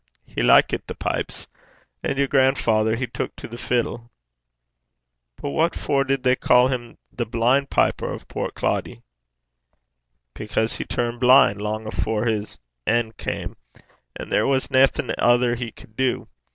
'He likit the pipes. And yer grandfather, he tuik to the fiddle.' 'But what for did they ca' him the blin' piper o' Portcloddie?' 'Because he turned blin' lang afore his en' cam, and there was naething ither he cud do.